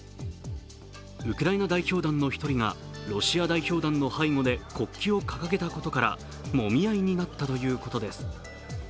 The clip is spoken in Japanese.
ウクライナ代表団の１人がロシア代表団の背後で国旗を掲げたことから、もみ合いになったということです。